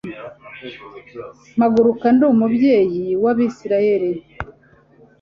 mpaguruka ndi umubyeyi w abisirayeli